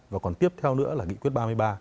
và còn tiếp theo nữa là nghị quyết ba mươi ba